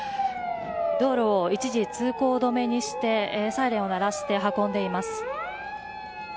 道路を一時通行止めにしてサイレンを鳴らして運んでいます。